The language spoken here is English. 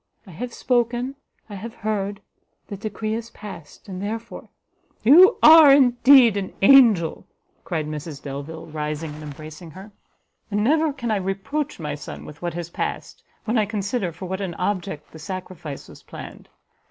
I have spoken, I have heard, the decree is past, and therefore," "You are indeed an angel!" cried Mrs Delvile, rising and embracing her; "and never can I reproach my son with what has passed, when I consider for what an object the sacrifice was planned.